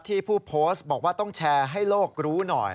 ผู้โพสต์บอกว่าต้องแชร์ให้โลกรู้หน่อย